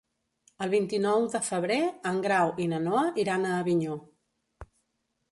El vint-i-nou de febrer en Grau i na Noa iran a Avinyó.